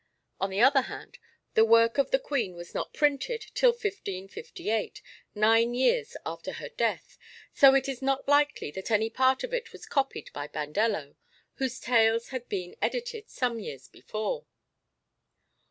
On the other hand, the work of the Queen was not printed till 1558, nine years after her death, so it is not likely that any part of it was copied by Bandello, whose tales had been edited some years before."